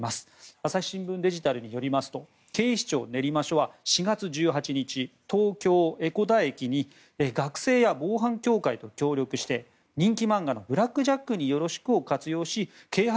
朝日新聞デジタルによりますと警視庁練馬署は４月１８日東京・江古田駅に学生や防犯協会と協力して人気漫画の「ブラックジャックによろしく」を活用し啓発